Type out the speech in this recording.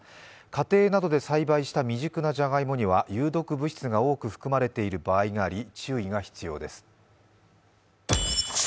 家庭などで栽培した未熟なじゃがいもには有毒物質が多く含まれている場合があり、注意が必要です。